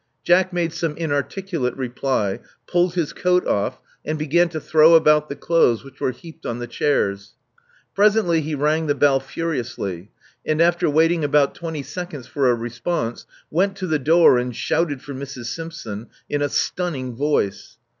" Jack made some inarticulate reply; pulled his coat off ; and began to throw about the clothes which were heaped on the chairs. Presently he rang the bell furiously, and, after waiting about twenty seconds for a response, went to the door and shouted for Mrs. Simpson in a stunning voice.